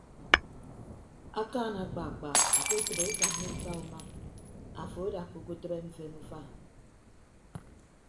Akaan akpaakpa aketịbe ukanna uta uma afo adakka uke tịbe mfen ufa.